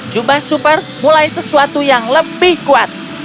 jubah super mulai sesuatu yang lebih kuat